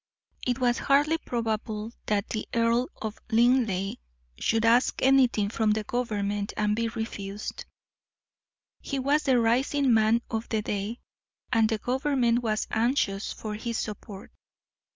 It was hardly probable that the Earl of Linleigh should ask anything from the government and be refused. He was the rising man of the day, and the government was anxious for his support.